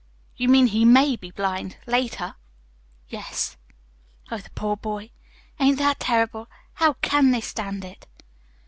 "You mean he MAY be blind, later?" "Yes." "Oh, the poor boy! Ain't that terrible? How CAN they stand it?"